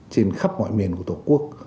trên khắp mọi miền của tổ quốc